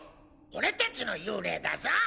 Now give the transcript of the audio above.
俺たちの幽霊だぞ！